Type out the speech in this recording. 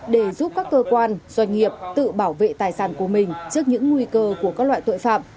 để giúp các cơ quan doanh nghiệp tự bảo vệ tài sản của mình trước những nguy cơ của các loại tội phạm